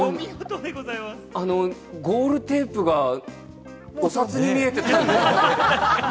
ゴールテープが、お札に見えてたんですかね？